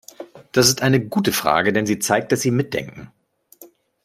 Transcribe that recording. Das ist eine gute Frage, denn sie zeigt, dass Sie mitdenken.